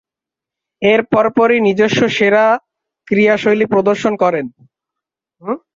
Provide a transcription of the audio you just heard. এর পরপরই নিজস্ব সেরা ক্রীড়াশৈলী প্রদর্শন করেন।